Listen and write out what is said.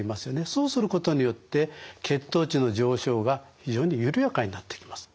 そうすることによって血糖値の上昇が非常に緩やかになっていきます。